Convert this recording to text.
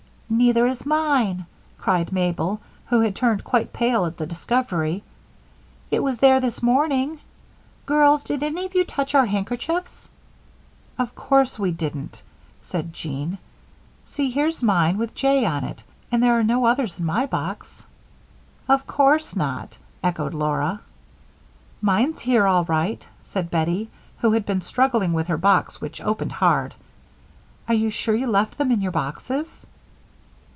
"Neither is mine," cried Mabel, who had turned quite pale at the discovery. "It was there this morning. Girls, did any of you touch our handkerchiefs?" "Of course we didn't," said Jean. "See, here's mine with 'J' on it, and there are no others in my box." "Of course not," echoed Laura. "Mine's here, all right," said Bettie, who had been struggling with her box, which opened hard. "Are you sure you left them in your boxes?"